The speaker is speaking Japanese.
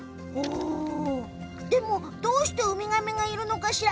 でも、どうしてウミガメがいるのかしら？